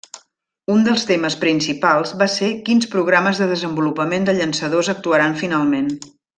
Un dels temes principals va ser quins programes de desenvolupament de llançadors actuaran finalment.